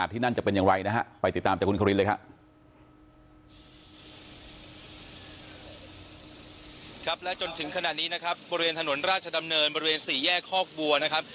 ครับและจนถึงขณะนี้นะครับบริเวณถนนราชดำเนินบริเวณสี่แยกคอกบัวนะครับ